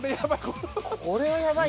これやばい。